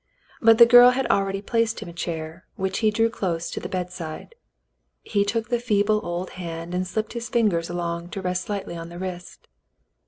But the girl had already placed him a chair, which he drew close to the bedside. He took the feeble old hand and slipped his fingers along to rest lightly on the wrist.